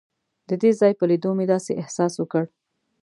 د دې ځای په لیدو مې داسې احساس وکړ.